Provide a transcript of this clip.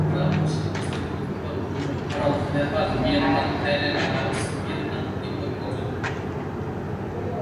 বাংলাদেশ ছাড়াও বৈশ্বিক বিস্তৃতি উত্তর-পূর্ব Bharat, Nepal, Myanmar, Thailand, Laos, Vietnam ও তিব্বত পর্যন্ত।